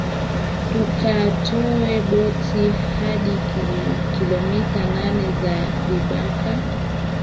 tukatoa boti hadi kilometa nane za vibaka